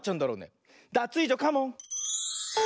ダツイージョカモン！